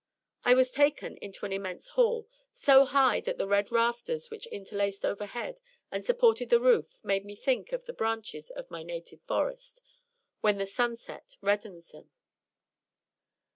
I was taken into an immense Hall, so high that the red rafters which inter laced overhead and supported the roof made me think of the branches of my native Forest, when the sunset reddens them.